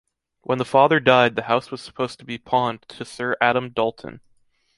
When the father died the house was supposed to be pawned to Sir Adam Dalton.